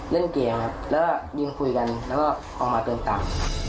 เล่นเกมครับแล้วก็ยืนคุยกันแล้วก็ออกมาเดินตาม